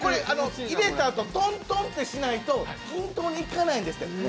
入れたあと、トントンってしないと均等にいかないんですって。